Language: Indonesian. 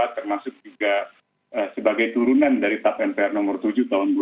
termasuk juga sebagai turunan dari tap mpr nomor tujuh tahun dua ribu dua